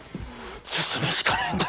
進むしかねぇんだ。